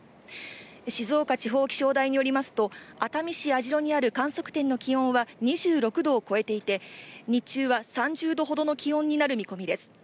静岡地方気象台によりますと、熱海市網代にある観測点の気温は２６度を超えていて、日中は３０度ほどの気温になる見込みです。